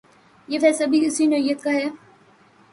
یہ فیصلہ بھی اسی نوعیت کا ہے۔